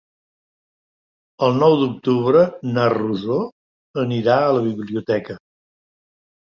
El nou d'octubre na Rosó anirà a la biblioteca.